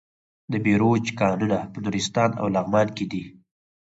د بیروج کانونه په نورستان او لغمان کې دي.